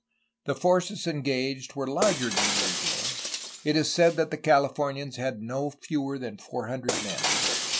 The forces engaged were larger than usual; it is said that the Calif omians had no fewer than four hundred men.